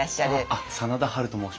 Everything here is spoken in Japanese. あっ真田ハルと申します。